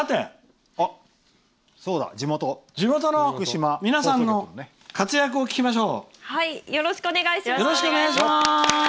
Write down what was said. さて、地元の皆さんの活躍を聞きましょう。